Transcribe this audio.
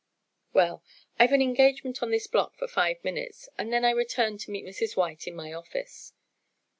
Well, I've an engagement on this block for five minutes, and then I return to meet Mrs. White in my office."